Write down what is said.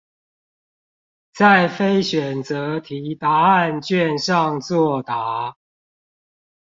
在非選擇題答案卷上作答